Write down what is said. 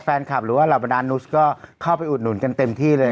แฟนคลับหรือว่าเราเป็นอาณุษย์ก็เข้าไปอุดหนุนกันเต็มที่เลย